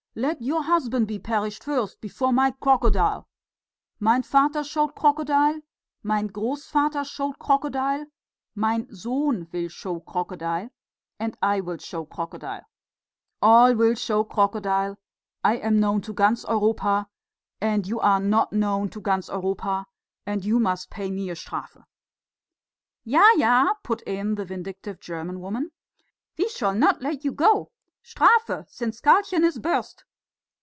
let your husband be perished first, before my crocodile!... Mein Vater showed crocodile, mein Grossvater showed crocodile, mein Sohn will show crocodile, and I will show crocodile! All will show crocodile! I am known to ganz Europa, and you are not known to ganz Europa, and you must pay me a strafe!" "Ja, ja," put in the vindictive German woman, "we shall not let you go. Strafe, since Karlchen is burst!"